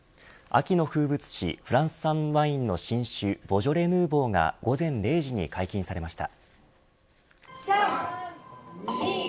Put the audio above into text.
秋の風物詩フランス産ワインの新酒ボジョレ・ヌーボーが午前０時に解禁されました。